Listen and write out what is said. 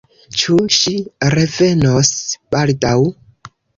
Ĉu ŝi revenos baldaŭ?